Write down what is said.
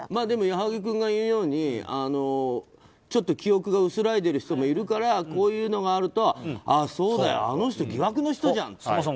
でも、矢作君が言うようにちょっと記憶が薄らいでいる人もいるからこういうのがあると、そうだあの人疑惑の人じゃんって。